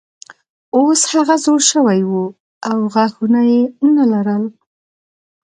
اوس هغه زوړ شوی و او غاښونه یې نه لرل.